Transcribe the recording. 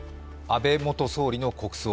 安倍元総理の国葬